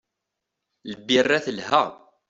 Lbira telha.